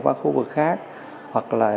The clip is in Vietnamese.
qua khu vực khác hoặc là